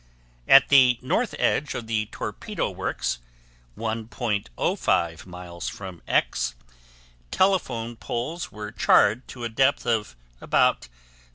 At the north edge of the Torpedo works, 1.05 miles from X, telephone poles were charred to a depth of about 0.